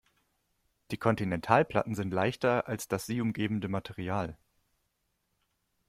Die Kontinentalplatten sind leichter als das sie umgebende Material.